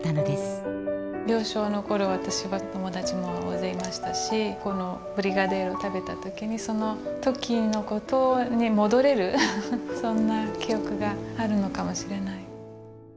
幼少の頃私は友達も大勢いましたしこのブリガデイロを食べた時にその時の事に戻れるそんな記憶があるのかもしれない。